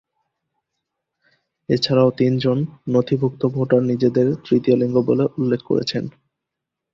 এছাড়াও তিনজন নথিভূক্ত ভোটার নিজেদের তৃতীয় লিঙ্গ বলে উল্লেখ করেছেন।